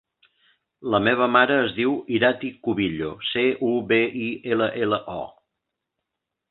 La meva mare es diu Irati Cubillo: ce, u, be, i, ela, ela, o.